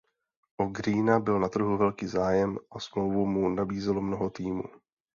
O Greena byl na trhu velký zájem a smlouvu mu nabízelo mnoho týmů.